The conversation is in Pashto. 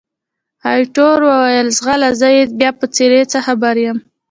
ایټور وویل، ځغله! زه یې بیا په څېرې څه خبر یم؟